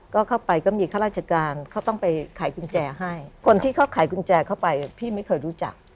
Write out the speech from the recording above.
ก็เข้าไปก็มีข้าราชการเขาต้องไปขายกุญแจให้คนที่เขาขายกุญแจเข้าไปพี่ไม่เคยรู้จัก